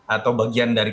atau bagian dari